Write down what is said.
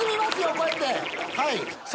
こうやって。